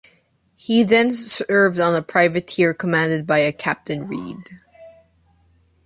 He then served on a privateer commanded by a Captain Reed.